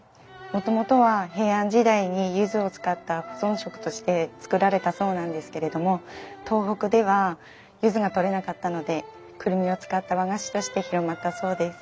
もともとは平安時代にゆずを使った保存食として作られたそうなんですけれども東北ではゆずが採れなかったのでクルミを使った和菓子として広まったそうです。